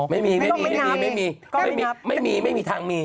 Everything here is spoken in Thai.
ไม่มีไม่มีไม่มีก็ไม่มีไม่มีทางมี